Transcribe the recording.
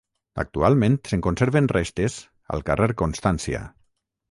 Actualment se'n conserven restes al carrer Constància.